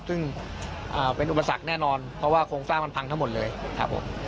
ซึ่งเป็นอุปสรรคแน่นอนเพราะว่าโครงสร้างมันพังทั้งหมดเลยครับผม